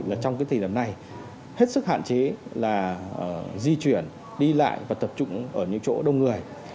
là trong cái thời điểm này hết sức hạn chế là di chuyển đi lại và tập trung ở những chỗ đông người